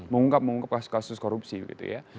mengungkap mengungkap kasus kasus korupsi gitu ya